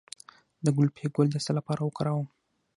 د ګلپي ګل د څه لپاره وکاروم؟